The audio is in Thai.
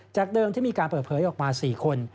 เดิมที่มีการเปิดเผยออกมา๔คน